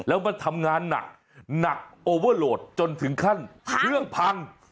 แล้วมันทำงานหนักหนักโอเวอร์โหลดจนถึงขั้นเครื่องพัง